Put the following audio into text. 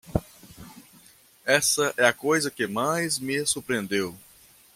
Essa é a coisa que mais me surpreendeu.